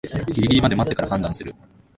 ギリギリまで待ってから判断する